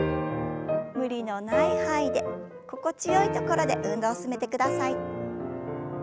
無理のない範囲で心地よいところで運動を進めてください。